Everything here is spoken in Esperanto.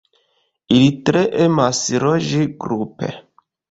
Ili tre emas loĝi grupe.